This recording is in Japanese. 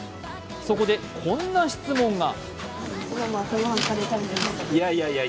そこで、こんな質問が。